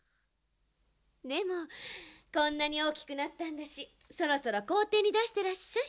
でもこんなにおおきくなったんだしそろそろこうていにだしてらっしゃい。